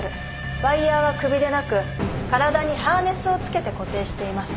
ワイヤは首でなく体にハーネスを着けて固定しています。